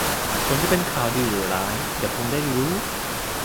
ผลจะเป็นข่าวดีหรือร้ายเดี๋ยวคงได้รู้